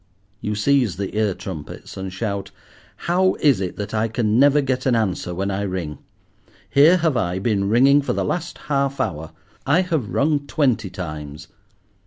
You seize the ear trumpets, and shout— "How is it that I can never get an answer when I ring? Here have I been ringing for the last half hour. I have rung twenty times."